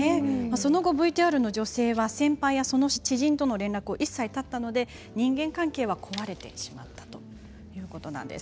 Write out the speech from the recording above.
その後、ＶＴＲの女性は先輩やその知人との連絡を一切断ったので人間関係が壊れてしまったということなんです。